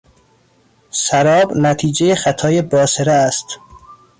سراب نتیجهی خطای باصره است.